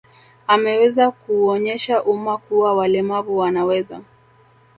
Ameweza kuuonyesha umma kuwa walemavu wanaweza